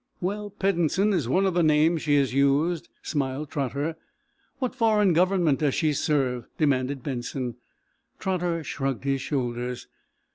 "Well, Peddensen is one of the names she has used," smiled Trotter. "What foreign government does she serve?" demanded Benson. Trotter shrugged his shoulders.